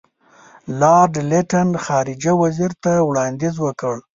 لارډ لیټن خارجه وزیر ته وړاندیز وکړ.